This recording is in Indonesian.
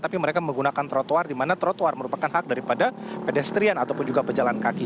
tapi mereka menggunakan trotoar di mana trotoar merupakan hak daripada pedestrian ataupun juga pejalan kaki